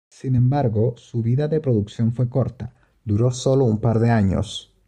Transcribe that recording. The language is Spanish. Sin embargo su vida de producción fue corta, duró solo un par de años.